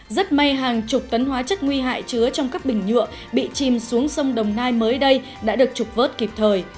rất may hàng chục tấn hóa chất nguy hại chứa trong các bình nhựa bị chìm xuống sông đồng nai mới đây đã được trục vớt kịp thời